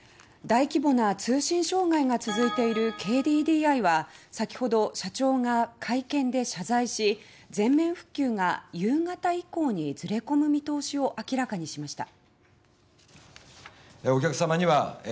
大規模な通信障害が続いているＫＤＤＩは先ほど、社長が会見で謝罪し全面復旧が夕方までずれ込む見通しを明らかにしました。